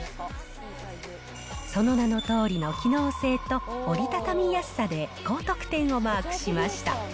その名のとおりの機能性と折りたたみやすさで高得点をマークしました。